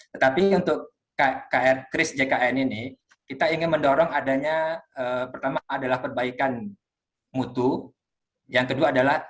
tetapi untuk kr kris jkn ini kita ingin mendorong adanya pertama adalah perbaikan mutu yang kedua adalah